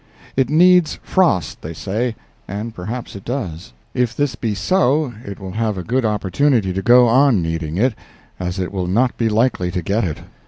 It needs frost, they say, and perhaps it does; if this be so, it will have a good opportunity to go on needing it, as it will not be likely to get it.